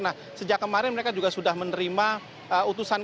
nah sejak kemarin mereka juga sudah menerima utusan